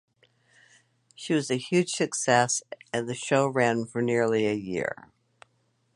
She was a huge success and the show ran for nearly a year.